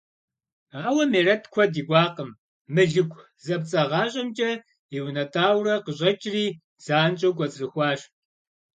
Ауэ Мерэт куэд икӀуакъым: мылыку зэпцӀагъащӀэмкӀэ иунэтӀауэ къыщӀэкӀри занщӀэу кӀуэцӀрыхуащ.